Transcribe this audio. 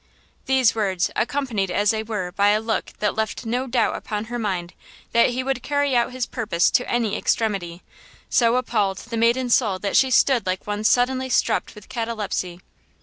These words, accompanied as they were by a look that left no doubt upon her mind that he would carry out his purpose to any extremity, so appalled the maiden's soul that she stood like one suddenly struck with catalepsy.